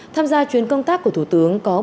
tham gia chuyến công tác của thủ tướng